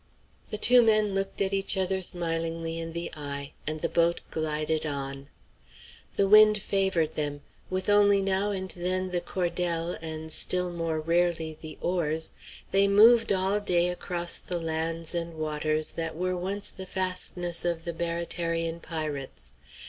The two men looked at each other smilingly in the eye, and the boat glided on. The wind favored them. With only now and then the cordelle, and still more rarely the oars, they moved all day across the lands and waters that were once the fastnesses of the Baratarian pirates.